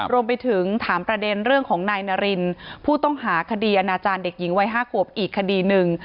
รวมไปถึงถามประเด็นเรื่องของนายนารินผู้ต้องหาคดีอนาจารย์เด็กหญิงวัย๕ขวบอีกคดีหนึ่ง